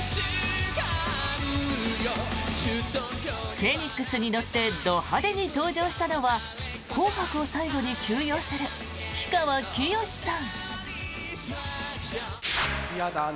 フェニックスに乗ってど派手に登場したのは「紅白」を最後に休養する氷川きよしさん。